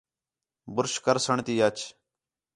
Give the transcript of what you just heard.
برش کر سݨ تی اچ